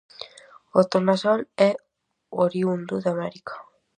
O tornasol é oriúndo de América.